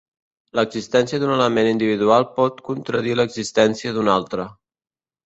L'existència d'un element individual pot contradir l'existència d'un altre.